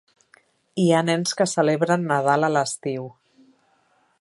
Hi ha nens que celebren Nadal a l'estiu.